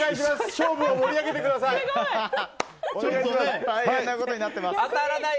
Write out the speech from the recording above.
勝負を盛り上げてください！